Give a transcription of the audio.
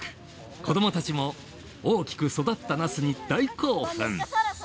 子どもたちも大きく育ったナスに大興奮！